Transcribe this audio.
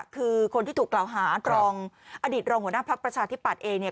คือคนที่ถูกกล่าวหาอดิตรองหัวหน้าภาคประชาที่ปัดเอง